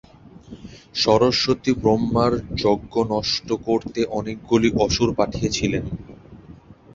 সরস্বতী ব্রহ্মার যজ্ঞ নষ্ট করতে অনেকগুলি অসুর পাঠিয়েছিলেন।